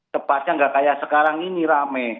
tepatnya enggak kayak sekarang ini rame